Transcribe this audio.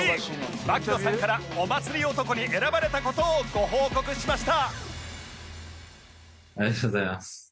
槙野さんからお祭り男に選ばれた事をご報告しました